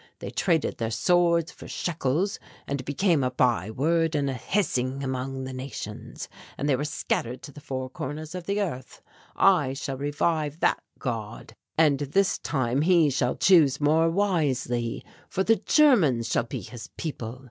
They traded their swords for shekels and became a byword and a hissing among the nations and they were scattered to the four corners of the earth. I shall revive that God. And this time he shall chose more wisely, for the Germans shall be his people.